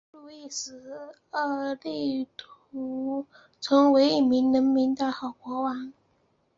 路易十二力图成为一位人民的好国王。